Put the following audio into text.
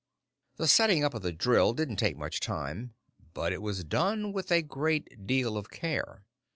The setting up of the drill didn't take much time, but it was done with a great deal of care.